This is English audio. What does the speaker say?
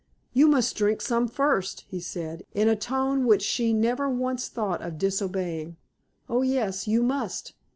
"You must drink some first," he said, in a tone which she never once thought of disobeying. "Oh, yes! you must!